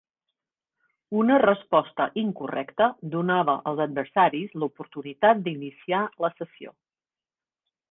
Una resposta incorrecta donava als adversaris l'oportunitat d'iniciar la sessió.